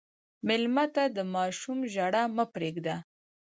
مېلمه ته د ماشوم ژړا مه پرېږده.